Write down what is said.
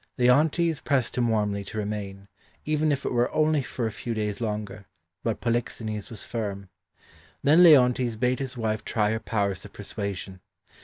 Leontes pressed him warmly to remain, even if it were only for a few days longer, but Polixenes was firm. Then Leontes bade his wife try her powers of persuasion.